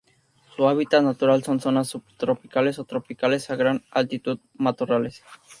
Su hábitat natural son: zonas subtropicales o tropicales a gran altitud matorrales.